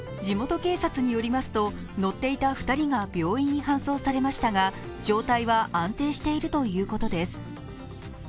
地元警察によりますと乗っていた２人が病院に搬送されましたが状態は安定しているということです。